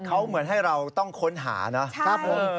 เขาเหมือนให้เราต้องค้นหานะครับผม